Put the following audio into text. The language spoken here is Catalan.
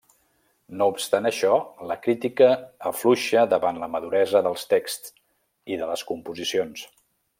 No obstant això, la crítica afluixa davant la maduresa dels texts i de les composicions.